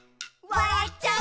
「わらっちゃう」